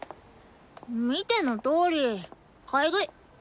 見てのとおり買い食い。